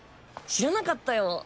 知らなかったよ。